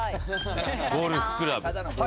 ゴルフクラブ。